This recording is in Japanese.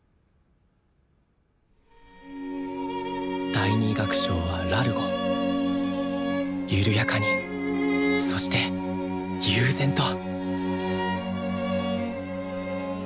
第２楽章はラルゴ「ゆるやかに」そして「悠然と」